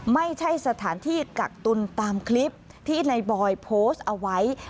ไม่ใช่สถานที่กักตุลตามคลิปที่ในบอยโพสต์เอาไว้